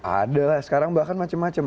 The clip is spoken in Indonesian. ada lah sekarang bahkan macem macem